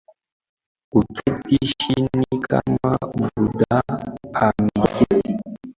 Kuketi chini kama Buddha ameketi